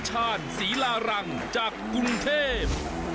ไปเลยคุณนะล้อ